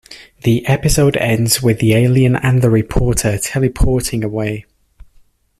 The episode ends with the alien and the reporter teleporting away.